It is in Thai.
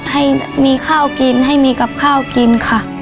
ให้มีข้าวกินให้มีกับข้าวกินค่ะ